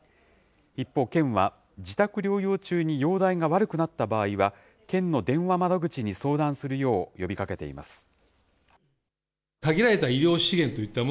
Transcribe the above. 一方、県は自宅療養中に容体が悪くなった場合は、県の電話窓口に相談するよう呼びかけています。